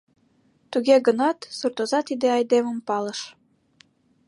Туге гынат суртоза тиде айдемым палыш.